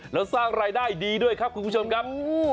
แล้วสร้างรายได้ดีด้วยครับคุณผู้ชมครับ